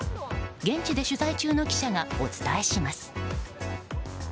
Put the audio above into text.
現地で取材中の記者がお伝えします。